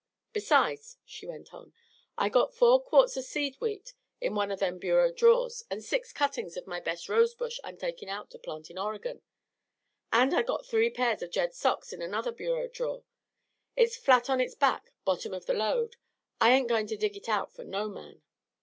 "Besides," she went on, "I got four quarts o' seed wheat in one of them bureau drawers, and six cuttings of my best rose bush I'm taking out to plant in Oregon. And I got three pairs of Jed's socks in another bureau drawer. It's flat on its back, bottom of the load. I ain't going to dig it out for no man."